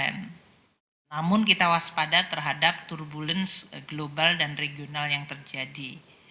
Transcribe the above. namun kita waspada terhadap turbulensi global dan regional yang terjadi